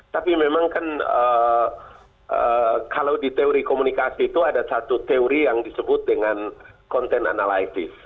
tapi memang kan kalau di teori komunikasi itu ada satu teori yang disebut dengan content analytis